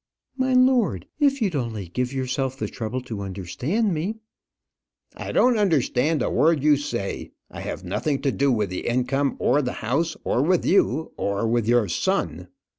"My lord, if you'd only give yourself the trouble to understand me " "I don't understand a word you say. I have nothing to do with the income, or the house, or with you, or with your son."